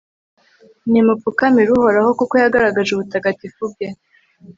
nimupfukamire uhoraho, kuko yagaragaje ubutagatifu bwe